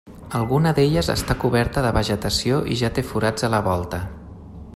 Alguna d'elles està coberta de vegetació i ja té forats a la volta.